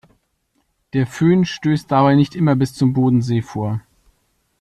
Der Föhn stösst dabei nicht immer bis zum Bodensee vor.